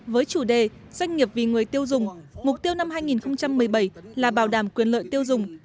với chủ đề doanh nghiệp vì người tiêu dùng mục tiêu năm hai nghìn một mươi bảy là bảo đảm quyền lợi tiêu dùng